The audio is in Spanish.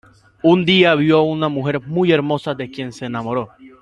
Un día vio a una mujer muy hermosa de quien se enamoró.